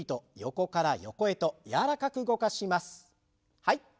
はい。